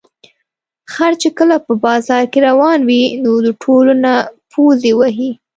خر چې کله په بازار کې روان وي، نو د ټولو نه پوزې وهي.